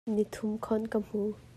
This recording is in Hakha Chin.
Nithum khonh ka hmu.